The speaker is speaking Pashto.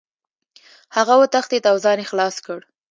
هغه وتښتېد او ځان یې خلاص کړ.